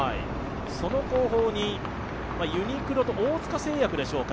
その後方にユニクロと大塚製薬でしょうか。